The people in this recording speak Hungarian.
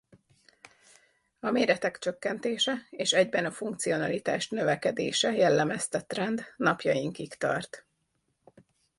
A méretek csökkentése és egyben a funkcionalitás növekedése jellemezte trend napjainkig tart.